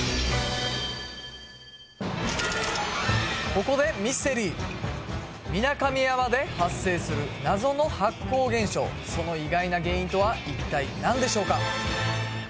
ここでミステリー皆神山で発生する謎の発光現象その意外な原因とは一体何でしょうか？